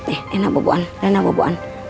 eh rena boboan rena boboan